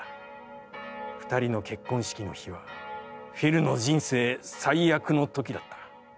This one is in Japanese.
二人の結婚式の日は、フィルの人生最悪の時だった。